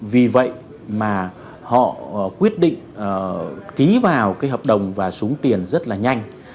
vì vậy mà họ quyết định ký vào cái hợp đồng và súng tiền rất là nhanh